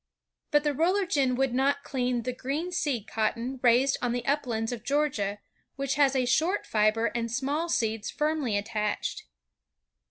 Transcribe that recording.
But the roller gin would not clean the green seed cotton raised on the uplands of Georgia, which has a short fiber and small seeds firmly attached.